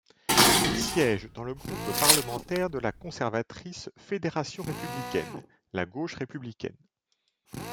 Il siège dans le groupe parlementaire de la conservatrice Fédération républicaine, la Gauche républicaine.